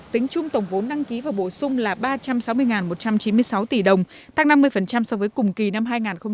tính chung tổng vốn đăng ký và bổ sung là ba trăm sáu mươi một trăm chín mươi sáu tỷ đồng tăng năm mươi so với cùng kỳ năm hai nghìn một mươi chín